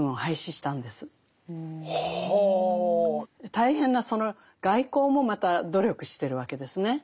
大変なその外交もまた努力してるわけですね。